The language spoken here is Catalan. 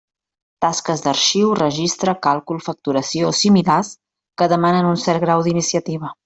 Tasques d'arxiu, registre, càlcul, facturació o similars que demanen un cert grau d'iniciativa.